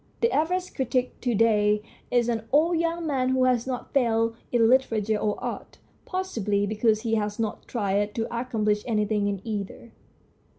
The average critic to day is an old young man who has not failed in literature or art, possibly because he has not tried to accomplish anything in either.